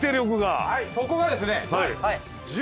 そこがですね。